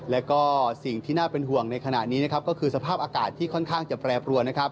และก็สิ่งที่น่าเป็นห่วงในขณะนี้ก็คือสภาพอากาศที่ค่อนข้างจะแปรปรวน